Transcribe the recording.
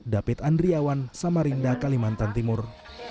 david andriawan samarinda kalimantan timur